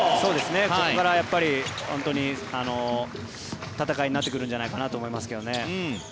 ここから戦いになってくるんじゃないかなと思います。